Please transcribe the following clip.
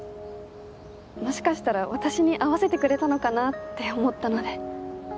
もしかしたら私に合わせてくれたのかなって思ったので。